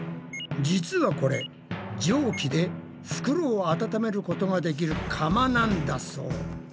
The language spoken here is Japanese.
実はこれ蒸気で袋を温めることができる釜なんだそう。